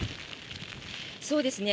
そうですね。